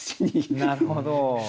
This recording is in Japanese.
なるほど。